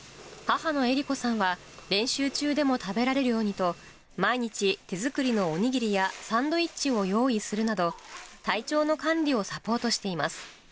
母の枝里子さんは、練習中でも食べられるようにと、毎日、手作りのお握りやサンドイッチを用意するなど、体調の管理をサポートしています。